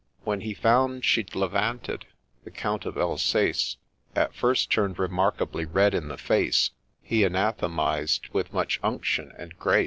— When he found she'd levanted, the Count of Alsace At first turn'd remarkably red in the face ; He anathematized, with much unction and grace.